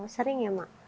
sering ya mak